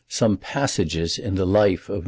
SOME PASSAGES IN THE LIFE OF MR.